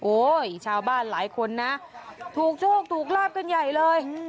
ชาวบ้านหลายคนนะถูกโชคถูกลาบกันใหญ่เลย